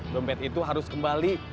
dompet itu harus kembali